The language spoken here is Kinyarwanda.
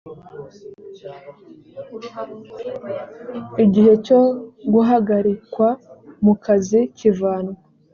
igihe cyo guhagarikwa mu kazi kivanwa